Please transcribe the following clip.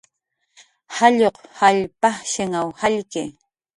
Jalluq jall pajshinw jallki